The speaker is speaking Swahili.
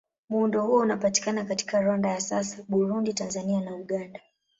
Muundo huo unapatikana katika Rwanda ya sasa, Burundi, Tanzania na Uganda.